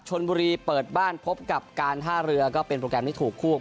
ชนบุรีเปิดบ้านพบกับการท่าเรือก็เป็นโปรแกรมที่ถูกคู่